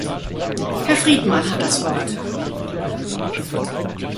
Herr Friedmann hat das Wort.